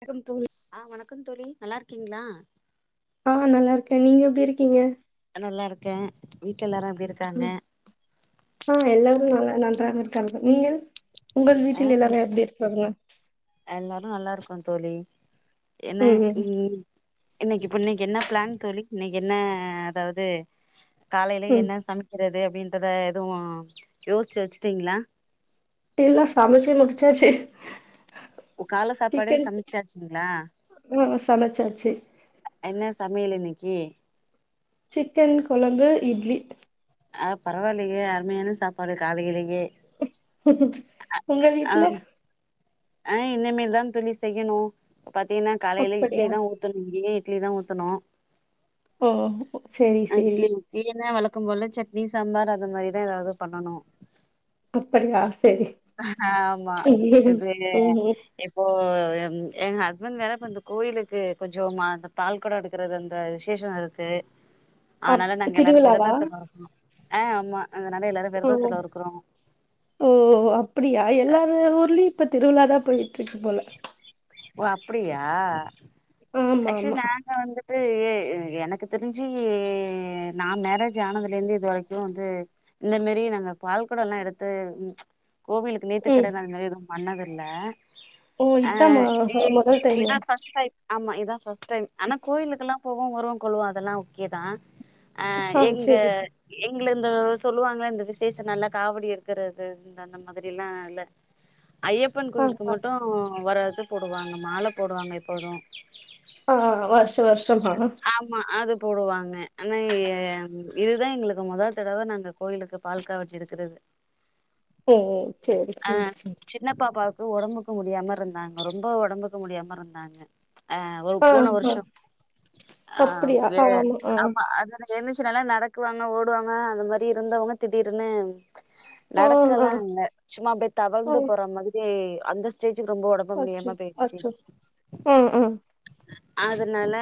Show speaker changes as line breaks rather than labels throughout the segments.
நக்கம் தோழி
ஆ வணக்குன் தோழி நல்லார்க்கீங்ளா
ஆ நல்லார்க்கே நீங்க எப்டி இருக்கீங்க
அ நல்லாருக்கே வீட்டு எல்லாரு எப்டி இருக்
ஆ எல்லாரு நல்லா நன்றாக இருக்காங்க நீங்க உங்கள் வீட்டில் எல்லாரு எப்டி இருக்காங்க
எல்லாரும் நல்லார்க்கோ தோழி
ம்
எனக்
ம்
ம்ம் இன்னைக்கிப்பு இன்னிக் என்ன ப்ளான் தோழி இன்னிக் என்ன அதாவ்து காலைலே
ம்
என்ன சமிக்கிறது அப்படின்றத எதுவு யோஸ்ச்சு வச்ட்டீங்னா
டெல்லா சமச்சு முடிச்சாச்சே
கால சாப்பாடு
டிக்கன்
சமைச்சாச்சுங்களா
ஆ சமச்சாச்சு
என்ன சமையல இன்னிக்கி
சிக்கன் கொழம்பு இட்லி
ஆ பரவால்லைங்க அருமையான சாப்பாடு காலய்லியே
உங்கள்
ஆ
வீட்ல
ஆ இனிமேல் தா தோழி செய்யணு பாத்தீங்னா காலைலே இட்லி
அப்படியா
தாவ் ஊத்தன்ங்கே இட்லி தா ஊத்தணு
ஓஹோ
அன் டின் க்லீனா வழக்கம் போல சட்னி சாம்பார் அந்த மாரிதா ஏதாவ்து பண்ணனு
அப்படியா சரி
ஆமா இது
ம்
இப் போ எ எங்க ஹஸ்பண்ட் வேற இப்ப இந்த கோவிலுக்கு கொஞ்ச அ பால்கொட எடு க்கறது அந்த விசேஷ இருக்கு
அப்
அதனால நாங்க எல்லாரு
திருவிழாவா
விரதத்துல இருக்கோ ஆ ஆமா அதனால எல்லாரு
ஓ
விரதத்துல இருக்கிறோ
ஓ அப்படியா எல்லார ஊர்லயு இப்ப திருவிழாதா போயிட்டு இருக்கு போல
ஓ அப்படியா
ஆமா
ஆக்சுவலி
ஆமா
நா வந்துட்டு ஏ எனக்கு தெரிஞ்சு நா மேரேஜ் ஆனதுல இருந்து இதுவரைக்கு வந்து இந்த மாரி நாங்க பால்கொடல்லா எடுத்து கோவிலுக்கு
ம்
நேத்துகடன் அத மாரி எதுவு பண்ணது இல்ல
ஓ இதா மொத
சேரி இதா ஃபஸ் டைம் ஆமா இதா ஃபஸ் டைம் ஆனா கோயிலுக்கெல்லா போவோ வரு கொல்லுவோ அதெல்லா ஓகே தா அ
ஆ
எங்க
சேரி
எங்கள இந்த சொல்லுவாங்கள இந்த விசேஷ நாள்ள காவடி எடுக்கிறது அந்த மாதிரி எல்லா இல்ல ஐயப்ப ப்பன்
ஆ
கோவிலுக்கு
ஆ
மட்டும் வர இது போடுவாங்க மாலை போடுவாங்க எப்போது
ஆ வருஷ வருஷமா
ஆமா அது போடுவாங்க ஆனா இதுதா எங்களுக்கு முத தடவ நாங்க கோயிலுக்கு பால் காவட்டி எடுக்கிறது
சேரி சேரி சேரி செரி
சின்ன பாப்பாவுக்கு உடம்புக்கு முடியாம இருந்தாங்க ரொம்ப உடம்புக்கு முடியாம இருந்தாங்க ஆ ஒ
ஆ
போன
ஆ
வர்ஷோ ஆ
அப்டியா
வே
ஆமா ஆ
ஆமா அதனால எந்திச்சு நல்லா நடக்குவாங்க ஓடுவாங்க அந்த மாரி இருந்தவங்க திடீர்னு
ஆ ஆ
நடக்கலா இல்ல சும்மா அப்டியே
ஆ
தவழ்ந்து போற மாதிரி அந்த ஸ்டேஜுக்கு ரொம்ப உடம்பு
அச்சோ அச்சோ ம் ம்
அதனால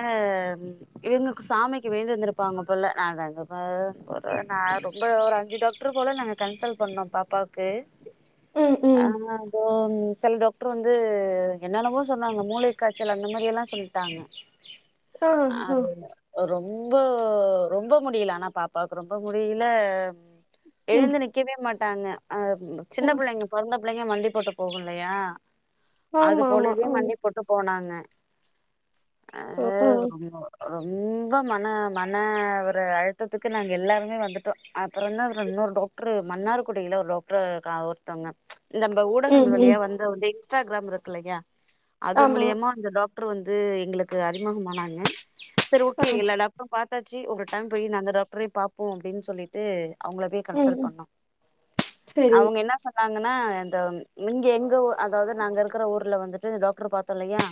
இவங்கக்கு சாமிக்கு வேண்டி இருந்தருப்பாங்க போல நாங்க அங்க நா ரொம்ப ஒரு அஞ்சி டாக்டர் போல நாங்க கன்சல்ட் பண்ணோ பாப்பாக்கு
ம்
அ
ம்
செல டாக்டர் வந் து என்னென்னமோ சொன்னாங்க மூளை காய்ச்சல் அந்த மாதிரி எல்லா சொல்ட்டாங்க
ஆ ஆ
ஆதுல ரொம்ப ரொம்ப முடியல ஆனா பாப்பாவுக்கு ரொம்ப முடியல
ம்
எழுந்து நிக்கவே மாட்டாங்க அ சின்ன
ம்
பிள்ளைங்க பொறந்த பிள்ளைங்க மண்டி போட்டு போகு இல்லையா அது
ஆமா ஆமா
போலவே
ஆமா
மண்டி போட்டு போனாங்க அ
ஆ ஆ
ரொம்ப ரொம்ப மன மன ஒரு அழுத்தத்துக்கு நாங்க எல்லாருமே வந்துட்டோ அப்புறந்தா இன்னொரு டாக் டர் மன்னார்குடியில ஒரு டாக்டர் ஒருத்தங்க நம்ப
ம்
ஊடகங்கள் வழியா
ம்
வந்து வந்து இன்ஸ்டாகிராம் இருக்கு இல்லையா அது
ஆமா
மூலியமா அந்த டாக் டர் வந்து எங்களுக்கு அறிமுகம் ஆனாங்கா சரி
ஆ
ஓகே பாத்தாச்சு ஒரு டைம் போய் அந்த டாக்டரய்யு பாப்போ அப்படின்னு சொல்லிட்டு அவுங்கள போய்
ம்
கன்சல்ட்
ம்
பண்ணோ
செரி
அவுங்க என்ன சொ சொன்னாங்கனா இந்த இங்க எங்க அதாது நாங்க இருக்கிற ஊர்ல வந்துட்டு டாக்டர் பாத்தோ இல்லையா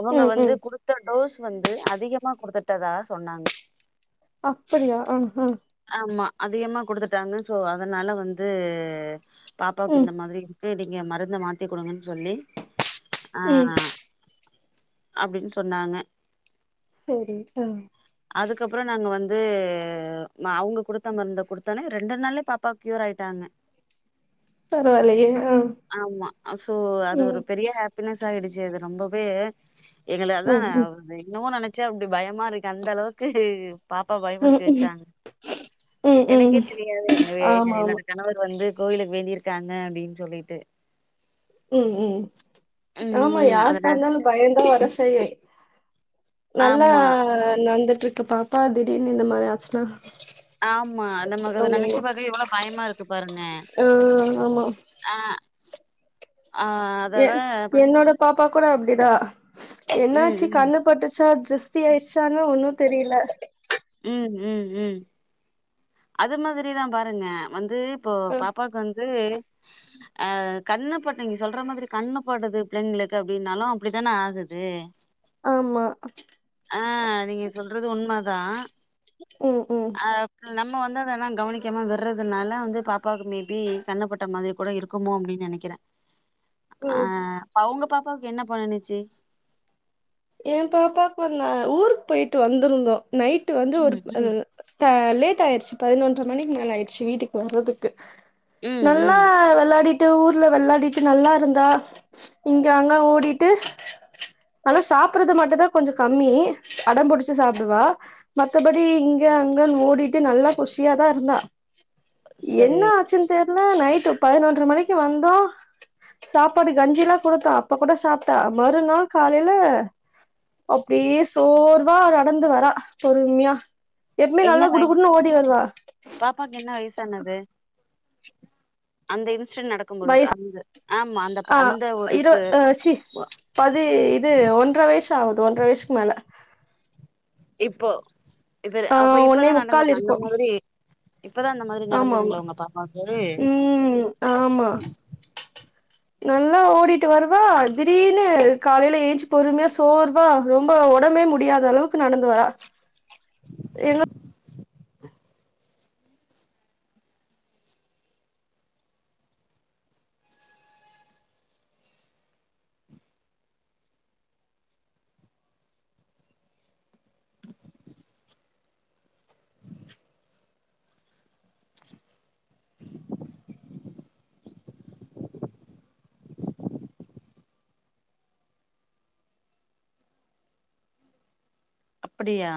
அவுங்க
ம்
வந்து
ம்
குடுத் த டோஸ் வந்து அதிகமா குடுத்துட்டதா சொன்னாங்க
அப்படியா ஆஹ
ஆமா அதிகமா குடுத்துட்டாங்க சோ அதனால வந்து பாப்பாவுக்கு
ம்
இந்த மாதிரி நீங்க மருந்த மாத்தி குடுங்கன்னு சொல்லி ஆ
ம்
அப்டின்னு சொன்னாங்க
செரி டா
அதுக்கப்புறோ நாங்க வந்து அவுங்க குடுத்த மருந்த குடுத்தஒடனே ரெண்டு நாள்ளே பாப்பாக் க்யோர் ஆயிட்டாங்க
பரவாலயே ஆ ம்
நெறையா ஹாப்பினஸ் ஆயிடுச்சு அது ரொம்பவே எங்களக் அதுதா
ம்
இன்னமு நெனைச்சா அப்டி பயமா இருக்கு அந்த அளவுக்கு பாப்பா
ம்
பயமுர்த்தி
ம்
வெச்சாங்க
ம் ம்
எனக்கே தெரியாது என்ன என்
ஆமா ஆமா
என்னோட கணவர் வந்து கோவிலுக்கு வேண்டியிருக் காங்க அப்டின்னு சொல்லிட்டு
ம் ம் ஆமா
ம் அதன
யாருக்காக இருந்தாலு பயோந்தா வர செய்யு நல்லா
ஆமா
நடந்துட்டு இருக்கு பாப்பா திடீர்னு இந்த மாரி ஆச்சுனா
ஆமா நமக்கு அத நெனைச்சு பாக்கவே எவ்ளோ பயமா இருக்கு பாருங்க
ஆ ஆமா
ஆ ஆ
எ
அதோட
என்னோட பாப்பா கூட அப்டிதா
ம்
என்னாச்சு
ம்
கண்ணு பட்டுச்சா திருஷ்டி ஆயிச்சானு ஒன்னோ தெரில
உம் உம் உம் அது மாதிரிதா பாருங்க வந்து இப்போ
ஆ
பாப்பாக்கு வந்து அ கண்ணுப்பட்டு நீங்க சொல்ற மாதிரி கண்ணுப்படுது பிள்ளைங்களுக்கு அப்டின்னாலு அப்டித்தானே ஆகுது
ஆமா
ஆ நீங்க சொல்றது உண்மதா
ம் ம்
அப் நம்ம வந்து அதெல்லா கவனிக்காம விடுறதுனால வந்து பாப்பாவுக்கு மேபி கண்ணப்பட்ட மாதிரி கூட இருக்குமோ அப்டின்னு நெனைக்குறே அ
ம்
அவுங்க பாப்பாவுக்கு என்ன பண்ணிச்சு
ஏ பாப்பாவுக்கோந்தா ஊருக்கு போயிட்டு வந்துருந்தோ நைட்டு வந்து ஒரு
ம் ம்
த லேட் ஆயிடுச்சு பதினொன்ற மணிக்கு மேல ஆயிடுச்சு வீட்டுக்கு வர்றதுக்கு
ம்
நல்லா
ம்
வெளாடிட் டிட்டு ஊர்ல வெளாடிட்டு நல்லா இருந்தா இங்க அங்க ஓடிட்டு ஆனா சாப்பறது மட்டுந்தா கொஞ்சோ கம்மி அடம்பிடிச்சு சாப்டுவா மத்தபடி இங்க அங்கன்னு ஓடிட்டு நல்லா குஷியாதா இருந்தா என்ன
சரி
ஆச்சுனு தெர்ல நைட்டு பதினொன்ற மணிக்கு வந்தோ சாப்பாடு கஞ்சிலா குடுத்தோ அப்போ கூட சாப்ட்டா மறுநாள் காலைல அப்டியே சோர்வா நடந்து வரா பொறுமையா எப்பவுமே
என்ன
நல்லா
வயசு
குடுக்குடுனு ஓடி வருவா
பாப்பாக்கு என்ன வயசானது அந்த இன்ஸிடென் நடக்கும் பொழுது
வயசு
அந்த ஆமா அந்த
ஆ
அந்த ஒரு
இரு அ சி பதி இது ஒன்றர வயசு ஆவுது ஒன்றர வயசுக்கு மேல
இப்போ இப்ப
ஆ
அப்ப
ஒன்னே
இப்பதா நடந்தது
முக்கால்
அந்த
இருக்கு
மாதிரி இப்பதா அந்த மாரி
ஆமா ஆமா
நடந்ததுங்கலா உங்க பாப்பாக்கு
ம் ஆமா
[inaudible]
நல்லா ஓடிட்டு வருவா திடீர்னு காலையில ஏஞ்சு பொறுமையா சோற் ப்பா ரொம்ப ஒடம்பே முடியாத அளவுக்கு நடந்து வரா எங்க
அப்படியா